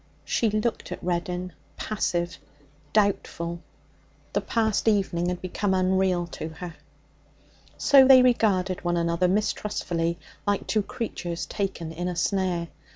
She looked at Reddin, passive, doubtful; the past evening had become unreal to her. So they regarded one another mistrustfully, like two creatures taken in a snare.